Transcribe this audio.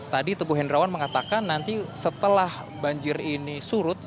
tadi teguh hendrawan mengatakan nanti setelah banjir ini surut